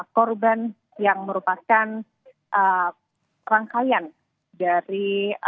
korban yang merupakan rangkaian dari